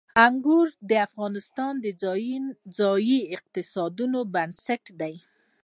انګور د افغانستان د ځایي اقتصادونو بنسټ دی.